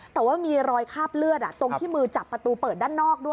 แต่ว่ามีรอยคาบเลือดตรงที่มือจับประตูเปิดด้านนอกด้วย